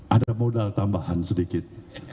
ada modal tambahan sedikit